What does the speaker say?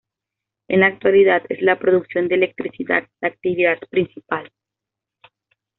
En la actualidad, es la producción de electricidad la actividad principal.